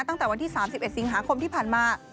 ตั้งแต่วันที่๓๑สิงหาคมที่ผ่านมา